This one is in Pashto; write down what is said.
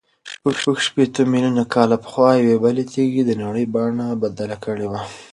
شپږ شپېته میلیونه کاله پخوا یوې بلې تېږې د نړۍ بڼه بدله کړې وه.